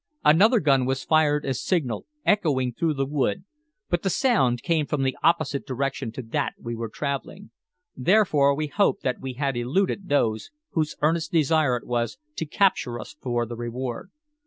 Another gun was fired as signal, echoing through the wood, but the sound came from the opposite direction to that we were traveling; therefore we hoped that we had eluded those whose earnest desire it was to capture us for the reward.